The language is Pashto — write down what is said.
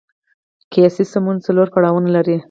قیاسي سمون څلور پړاوونه لري.